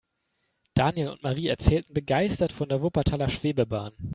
Daniel und Marie erzählten begeistert von der Wuppertaler Schwebebahn.